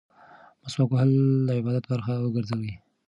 مسواک وهل د عبادت برخه وګرځوئ.